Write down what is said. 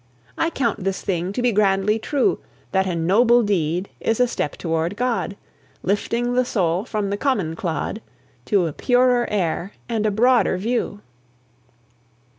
I count this thing to be grandly true: That a noble deed is a step toward God, Lifting the soul from the common clod To a purer air and a broader view.